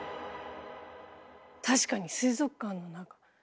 確かに水族館の中。